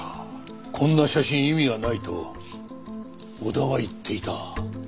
こんな写真意味はないと小田は言っていた。